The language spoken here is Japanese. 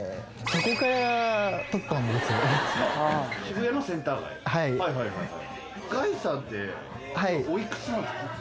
そこから取ったんです。